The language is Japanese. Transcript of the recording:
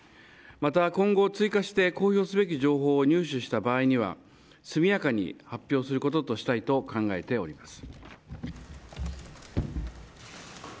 また今後、追加して公表すべき情報を入手した場合には速やかに発表することとしたいと考えております。